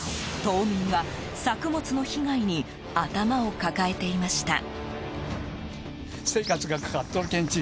島民は作物の被害に頭を抱えていました。